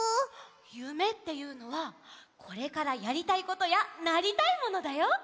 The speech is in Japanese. ゆめっていうのはこれからやりたいことやなりたいモノだよ。